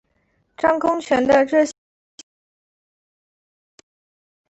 张公权的这些话引起聚餐成员的注意。